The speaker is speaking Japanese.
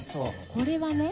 これはね